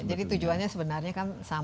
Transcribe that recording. jadi tujuannya sebenarnya kan sama ya